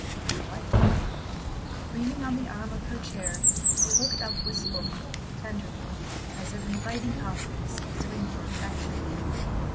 "My wife." Leaning on the arm of her chair he looked up wistfully, tenderly, as if inviting confidence, sueing for affection.